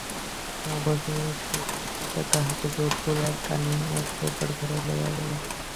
অবশেষে সুচরিতা তাহাকে জোর করিয়া টানিয়া শোবার ঘরে লইয়া গেল।